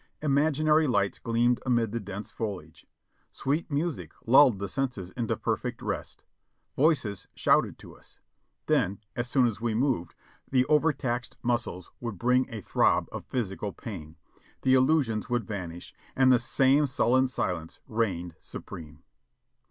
Imaginary lights gleamed amid the dense foliage; sweet music lulled the senses into perfect rest; voices shouted to us ; then, as soon as we moved, the overtaxed muscles would bring a throb of physical pain, the illusions would vanish, and the same sullen silence reigned supreme.